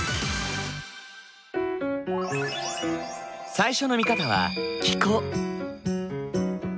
最初の見方は気候。